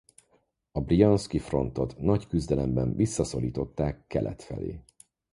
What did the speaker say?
A Brjanszki Frontot nagy küzdelemben visszaszorították kelet felé.